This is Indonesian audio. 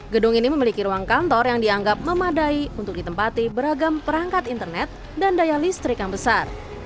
gedung ini memiliki ruang kantor yang dianggap memadai untuk ditempati beragam perangkat internet dan daya listrik yang besar